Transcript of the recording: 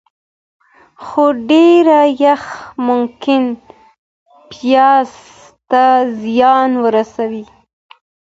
خو ډېر یخ ممکن پیاز ته زیان ورسوي.